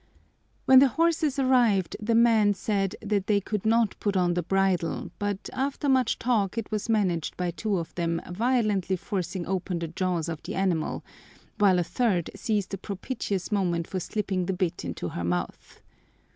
When the horses arrived the men said they could not put on the bridle, but, after much talk, it was managed by two of them violently forcing open the jaws of the animal, while a third seized a propitious moment for slipping the bit into her mouth.